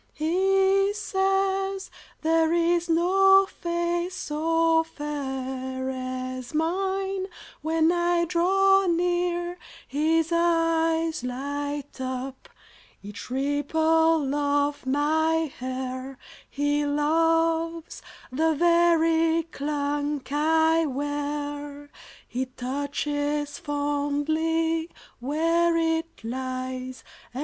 He says there is no face so fair As mine; when I draw near, his eyes Light up; each ripple of my hair He loves; the very clunk I wear He touches fondly where it lies.